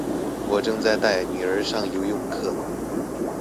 我正在帶女兒上游泳課